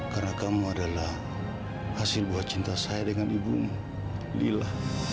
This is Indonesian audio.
karena kamu adalah hasil buah cinta saya dengan ibumu lila